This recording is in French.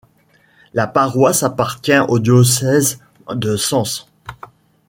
La paroisse appartient au diocèse de Sens.